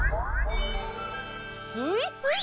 スイスイ！